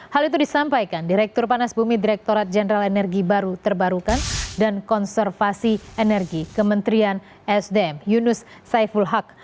hal itu disampaikan direktur panas bumi direkturat jenderal energi baru terbarukan dan konservasi energi kementerian sdm yunus saiful haq